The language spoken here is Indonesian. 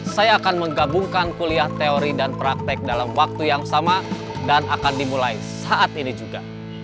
saya akan menggabungkan kuliah teori dan praktek dalam waktu yang sama dan akan dimulai saat ini juga